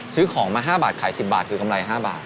ซื้อของมา๕บาทขาย๑๐บาทคือกำไร๕บาท